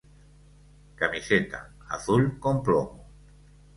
Camiseta:Azul con plomo.